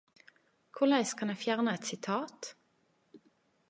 Korleis kan eg fjerne eit sitat?